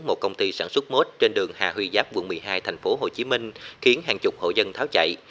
một công ty sản xuất mốt trên đường hà huy giáp quận một mươi hai thành phố hồ chí minh khiến hàng chục hộ dân tháo chạy